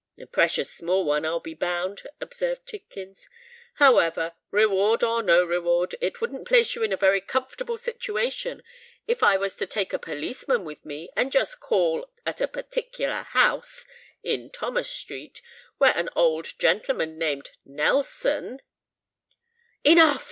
"A precious small one, I'll be bound," observed Tidkins. "However,—reward or no reward,—it wouldn't place you in a very comfortable situation if I was to take a policeman with me, and just call at a particular house in Thomas Street, where an old gentleman named Nelson——" "Enough!"